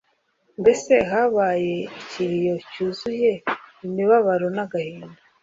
Mbese habaye ikiriyo cyuzuye imibabaro n’agahinda